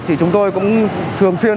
thì chúng tôi cũng thường xuyên